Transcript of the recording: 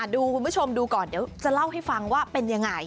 ดูคุณผู้ชมดูก่อนเดี๋ยวจะเล่าให้ฟังว่าเป็นยังไง